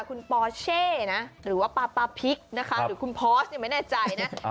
คุณปอเช่นะหรือว่าปาปาพริกนะคะหรือคุณพอสเนี่ยไม่แน่ใจนะ